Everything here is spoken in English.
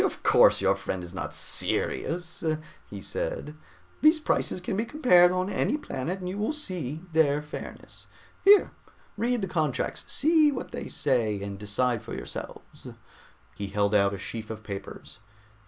"Of course your friend is not serious," he said. "These prices can be compared on any planet and you will see their fairness. Here, read the contracts, see what they say and decide for yourselves." He held out a sheaf of papers.